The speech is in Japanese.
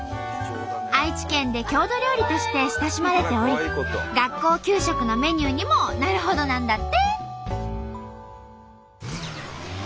愛知県で郷土料理として親しまれており学校給食のメニューにもなるほどなんだって。